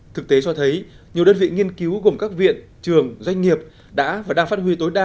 thực tế cho thấy nhiều đơn vị nghiên cứu gồm các viện trường doanh nghiệp đã và đang phát huy tối đa